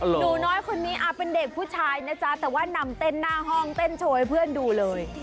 หนูน้อยคนนี้เป็นเด็กผู้ชายนะจ๊ะแต่ว่านำเต้นหน้าห้องเต้นโชว์ให้เพื่อนดูเลย